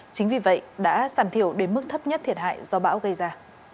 chính vì vậy đã giảm thiểu đến mức thấp nhất thiệt hại do bão gây ra